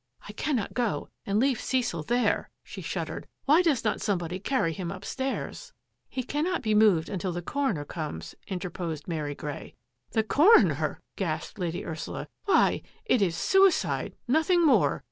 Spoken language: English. " I cannot go and leave Cecil there !" she shuddered. " Why does not somebody carry him upstairs? "" He cannot be moved until the coroner comes," interposed Mary Grey. " The coroner! " gasped Lady Ursula. " Why, it is suicide — nothing more.